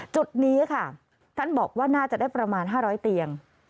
จุดนี้ค่ะท่านบอกว่าน่าจะได้ประมาณ๕๐๐เตียง